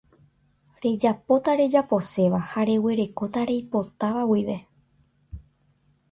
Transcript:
Rejapóta rejaposéva ha reguerekóta reipotáva guive